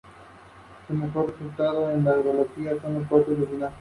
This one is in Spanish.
La estructura de la selva es subdividida en tres capas: arbóreo, arbustivo, herbáceo.